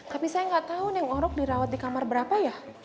tapi saya gak tau nih ngorok dirawat di kamar berapa ya